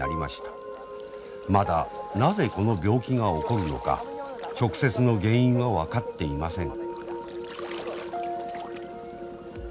まだなぜこの病気が起こるのか直接の原因は分かっていません。